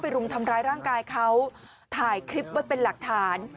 รุมทำร้ายร่างกายเขาถ่ายคลิปไว้เป็นหลักฐาน